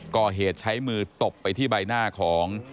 ก่อเหตุใช้มือตบไปที่ใบหน้าของ